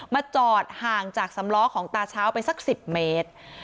จอดห่างจากสำล้อของตาเช้าไปสัก๑๐เมตร